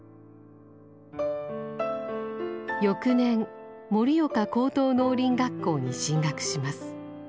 翌年盛岡高等農林学校に進学します。